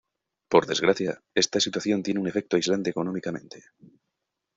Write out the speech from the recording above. Por desgracia, esta situación tiene un efecto aislante económicamente.